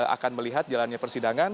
akan melihat jalannya persidangan